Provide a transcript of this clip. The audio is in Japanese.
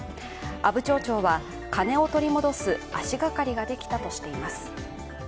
阿武町長は金を取り戻す足がかりができたとしています。